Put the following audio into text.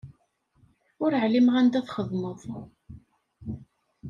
Ur εlimeɣ anda txeddmeḍ.